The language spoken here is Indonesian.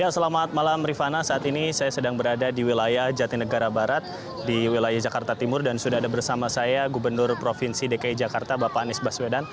selamat malam rifana saat ini saya sedang berada di wilayah jatinegara barat di wilayah jakarta timur dan sudah ada bersama saya gubernur provinsi dki jakarta bapak anies baswedan